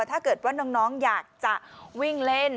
ถ้าเกิดว่าน้องอยากจะวิ่งเล่น